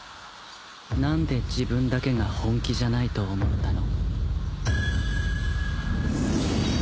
何で自分だけが本気じゃないと思ったの？